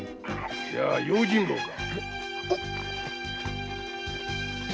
じゃあ用心棒か。